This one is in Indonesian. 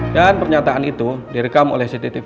dan pernyataan itu direkam oleh cttv